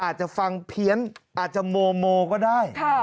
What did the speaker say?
อาจจะฟังเพี้ยนอาจจะโมโมก็ได้